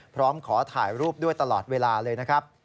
พร้อมขอถ่ายรูปด้วยตลอดเวลาเลยนะครับ